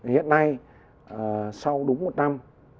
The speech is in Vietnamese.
hiện nay sau đúng một năm